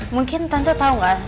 mungkin tante tau gak